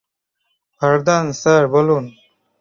Vardaan sir, বলুন।